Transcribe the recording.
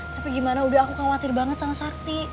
tapi gimana udah aku khawatir banget sama sakti